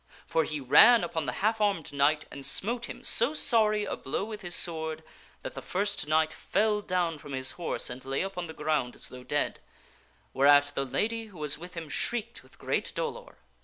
For he ran upon the half armed knight and smote him so sorry a blow with his sword, that the first knight fell down from his horse and lay upon the ground as though dead ; whereat the lady who was with him shrieked with great dolor.